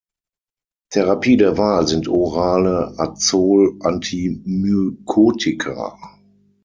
Therapie der Wahl sind orale Azol-Antimykotika.